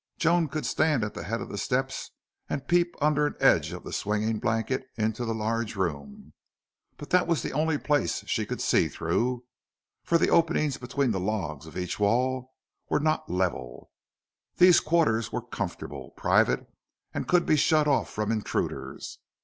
Joan could stand at the head of the steps and peep under an edge of the swinging blanket into the large room, but that was the only place she could see through, for the openings between the logs of each wall were not level. These quarters were comfortable, private, and could be shut off from intruders.